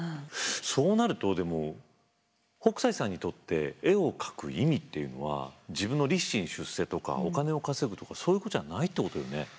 そうなるとでも北斎さんにとって絵を描く意味っていうのは自分の立身出世とかお金を稼ぐとかそういうことじゃないってことよね。